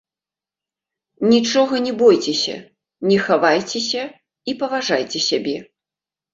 Нічога не бойцеся, не хавайцеся і паважайце сябе.